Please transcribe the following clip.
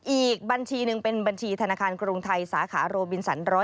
อีกบัญชีหนึ่งเป็นบัญชีธนาคารกรุงไทยสาขาโรบินสัน๑๐